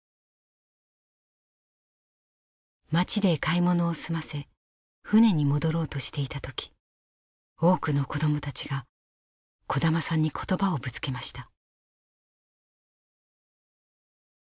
町で買い物を済ませ船に戻ろうとしていた時多くの子供たちが小玉さんに言葉をぶつけました。